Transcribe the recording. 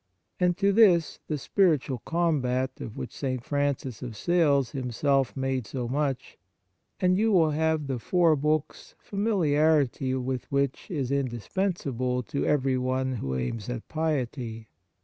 Add to this the " Spiritual Combat," of which St. Francis of Sales himself made so much, and you will have the four books familiarity with which is indispensable to everyone who aims at piety.